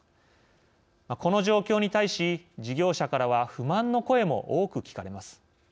この状況に対し、事業者からは不満の声も多く聞かれます。